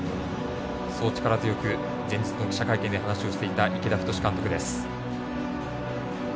そう力強く、前日の記者会見で話をしていた池田太監督です。